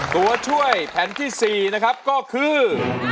ตัวช่วยแผ่นที่๔นะครับก็คือ